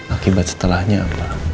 akibat setelahnya apa